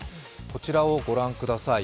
こちらを御覧ください。